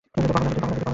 পাগল নাকি তুই?